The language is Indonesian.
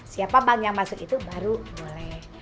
siapa bank yang masuk itu baru boleh